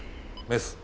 メス。